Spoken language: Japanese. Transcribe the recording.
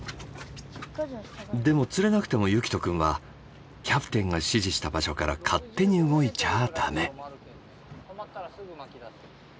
でも釣れなくても結希斗くんはキャプテンが指示した場所から勝手に動いちゃダメ。